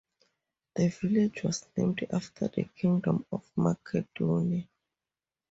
The village was named after the kingdom of Macedonia.